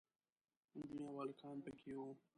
نجونې او هلکان پکې وو.